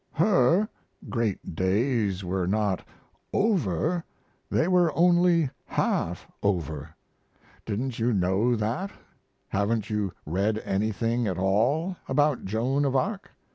"Her" great days were not "over," they were only half over. Didn't you know that? Haven't you read anything at all about Joan of Arc?